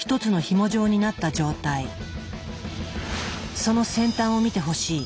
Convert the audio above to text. その先端を見てほしい。